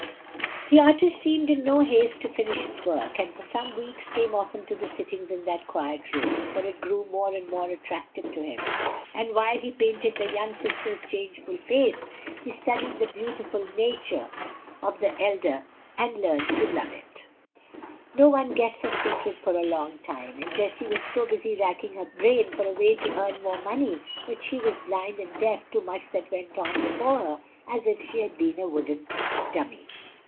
The artist seemed in no haste to finish his work, and for some weeks came often to the sittings in that quiet room; for it grew more and more attractive to him, and while he painted the younger sister's changeful face he studied the beautiful nature of the elder and learned to love it. But no one guessed that secret for a long time; and Jessie was so busy racking her brain for a way to earn more money that she was as blind and deaf to much that went on before her as if she had been a wooden dummy.